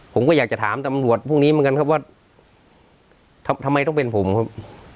ผมก็อยากจะถามตำรวจพวกนี้เหมือนกันครับว่าทำไมต้องเป็นผมครับ